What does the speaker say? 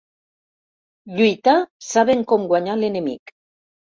Lluitar sabent com guanyar l'enemic.